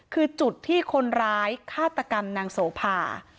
คือจุดที่คนร้ายฆาตกรรมนางโสภา